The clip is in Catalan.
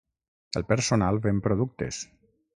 El personal ven productes.